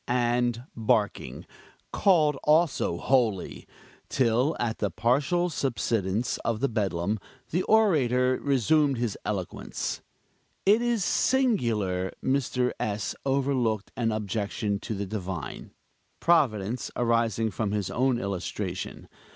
and barking! called also "holy!" till, at the partial subsidence of the bedlam, the orator resumed his eloquence. It is singular Mr. S. overlooked an objection to the divine Providence arising from his own illustration.